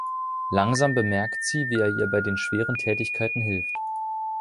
Langsam bemerkt sie, wie er ihr bei den schweren Tätigkeiten hilft.